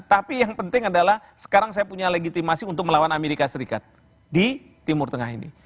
tapi yang penting adalah sekarang saya punya legitimasi untuk melawan amerika serikat di timur tengah ini